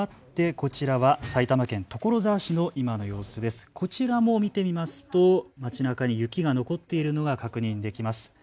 こちらも見てみますと街なかに雪が残っているのが確認できます。